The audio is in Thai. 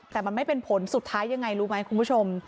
แต่มันไม่เป็นผลสุดท้ายยังไงรู้ไหมคุณผู้ชม